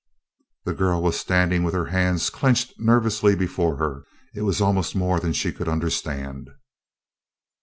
The girl was standing with her hands clenched nervously before her. It was almost more than she could understand.